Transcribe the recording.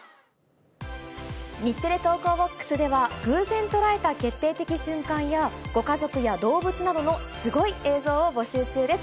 日テレ投稿ボックスでは、偶然捉えた決定的瞬間や、ご家族や動物などのすごい映像を募集中です。